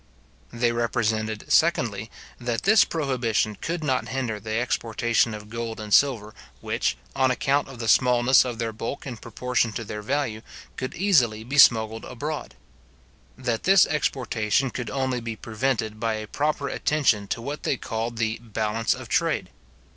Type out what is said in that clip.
They represented, secondly, that this prohibition could not hinder the exportation of gold and silver, which, on account of the smallness of their bulk in proportion to their value, could easily be smuggled abroad. That this exportation could only be prevented by a proper attention to what they called the balance of trade.